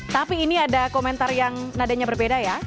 tapi ini ada komentar yang nadanya berbeda ya